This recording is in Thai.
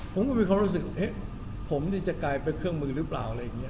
ผมก็มีความรู้สึกว่าผมนี่จะกลายเป็นเครื่องมือหรือเปล่า